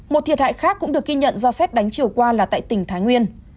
một thiệt hại khác cũng được ghi nhận do xét đánh chiều qua là tại tỉnh thái nguyên